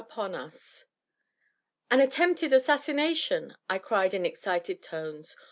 CHAPTER VIII. An attempted assassination! I cried in excited tones.